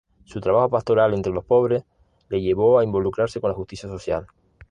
Su trabajo pastoral entre los pobres, le llevó a involucrarse con la justicia social.